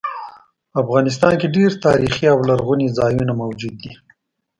افغانستان کې ډیر تاریخي او لرغوني ځایونه موجود دي